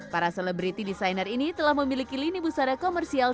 para selebriti desainer ini telah memiliki lini busana komersial